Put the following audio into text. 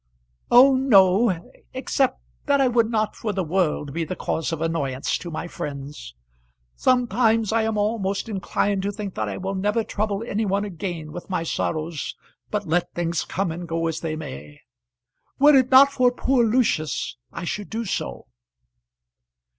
"Oh, no; except that I would not for the world be the cause of annoyance to my friends. Sometimes I am almost inclined to think that I will never trouble any one again with my sorrows, but let things come and go as they may. Were it not for poor Lucius I should do so."